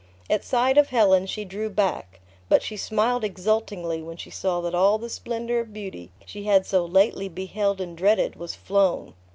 At sight of Helen, she drew back; but she smiled exultingly when she saw that all the splendour of beauty she had so lately beheld and dreaded was flown.